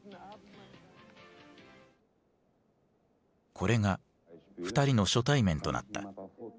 これが２人の初対面となった。